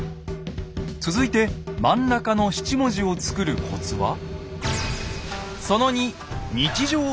続いて真ん中の七文字を作るコツは？